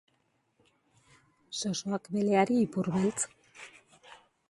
Zozoak beleari ipurbeltz.